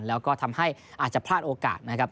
แล้วก็ทำให้อาจจะพลาดโอกาสนะครับ